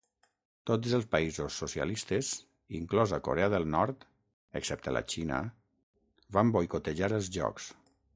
Tots els països socialistes, inclosa Corea del Nord, excepte la Xina, van boicotejar els jocs.